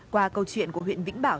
qua câu chuyện của huyện vĩnh bảo